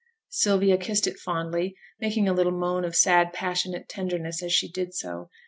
Sylvia kissed it fondly, making a little moan of sad, passionate tenderness as she did so.